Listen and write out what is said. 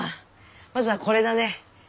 まずはこれだね。